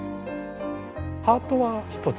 ハートはひとつ